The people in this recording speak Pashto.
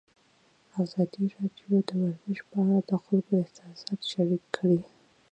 ازادي راډیو د ورزش په اړه د خلکو احساسات شریک کړي.